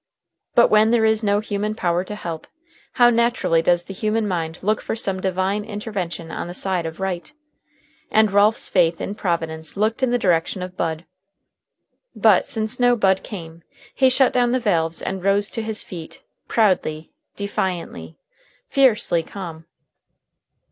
But when there is no human power to help, how naturally does the human mind look for some divine intervention on the side of Right! And Ralph's faith in Providence looked in the direction of Bud. But since no Bud came, he shut down the valves and rose to his feet, proudly, defiantly, fiercely calm.